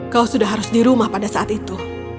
kau sudah harus di rumah pada saat itu